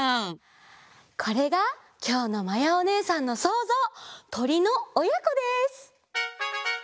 これがきょうのまやおねえさんのそうぞう「とりのおやこ」です！